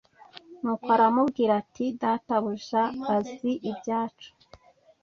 nuko aramubwira ati databuja azi ibyacu